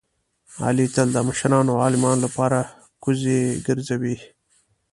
علي تل د مشرانو او عالمانو لپاره کوزې ګرځوي.